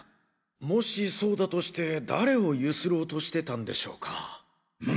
もしそうだとして誰をゆすろうとしてたんでしょうか？